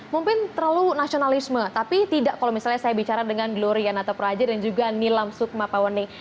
mungkin terlalu nasionalisme tapi tidak kalau misalnya saya bicara dengan glorianata praja dan juga nilam sukma pawening